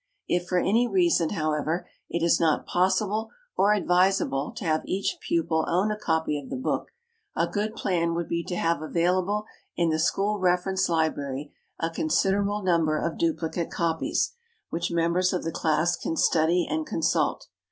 If for any reason, however, it is not possible or advisable to have each pupil own a copy of the book, a good plan would be to have available in the school reference library a considerable number of duplicate copies, which members of the class can study and consult.